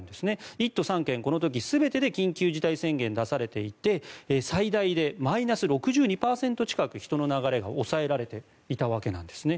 １都３県、この時全てで緊急事態宣言が出されていて最大でマイナス２７％近く人の流れが抑えられていたわけですね。